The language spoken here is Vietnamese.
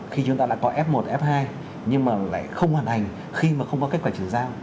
khi chúng ta đã có f một f hai nhưng mà lại không hoàn hành khi mà không có kết quả chứng giao